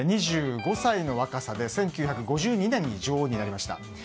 ２５歳の若さで１９５２年に女王になりました。